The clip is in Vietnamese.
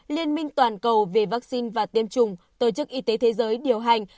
liên minh toàn cầu về vaccine và tiêm chủng tổ chức y tế thế giới điều hành